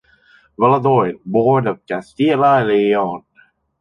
Valladolid: Board of Castilla y León.